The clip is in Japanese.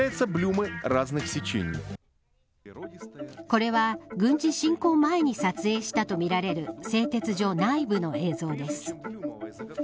これは、軍事侵攻前に撮影したとみられる製鉄所内部の映像です。